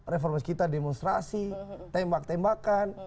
reformasi kita demonstrasi tembak tembakan